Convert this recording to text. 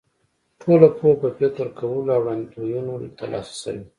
ټوله پوهه په فکر کولو او وړاندوینو تر لاسه شوې.